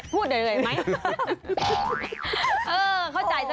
พูดเหนื่อยไหม